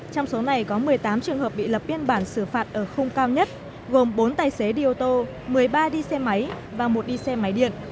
trong số này có một mươi tám trường hợp bị lập biên bản xử phạt ở khung cao nhất gồm bốn tài xế đi ô tô một mươi ba đi xe máy và một đi xe máy điện